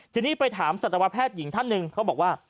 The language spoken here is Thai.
ทีนี้ไปถามสัตวแพทย์หญิงท่านหนึ่งเขาบอกว่า